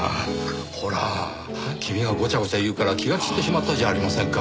ほら君がゴチャゴチャ言うから気が散ってしまったじゃありませんか。